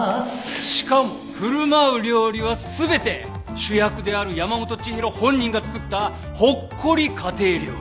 しかも振る舞う料理は全て主役である山本知博本人が作ったほっこり家庭料理。